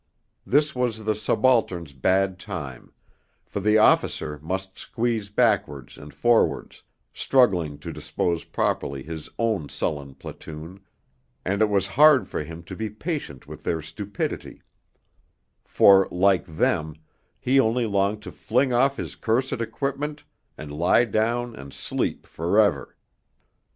This was the subaltern's bad time; for the officer must squeeze backwards and forwards, struggling to dispose properly his own sullen platoon, and it was hard for him to be patient with their stupidity, for, like them, he only longed to fling off his cursed equipment and lie down and sleep for ever.